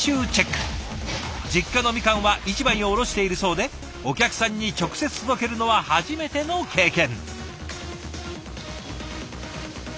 実家のみかんは市場に卸しているそうでお客さんに直接届けるのは初めての経験。